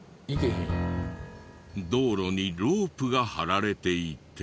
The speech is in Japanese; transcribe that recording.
道路にロープが張られていて。